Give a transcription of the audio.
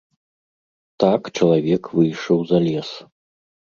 Так чалавек выйшаў за лес.